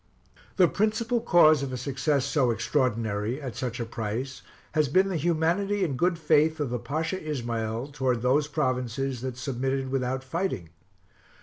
The principal cause of a success so extraordinary, at such a price, has been the humanity and good faith of the Pasha Ismael towards those provinces that submitted without fighting.